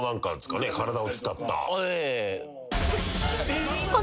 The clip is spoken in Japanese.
体を使った。